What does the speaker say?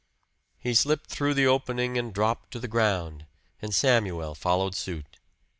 He slipped through the opening and dropped to the ground, and Samuel followed suit.